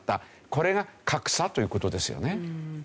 これが格差という事ですよね。